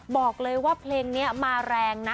บอกเลยว่าเพลงนี้มาแรงนะ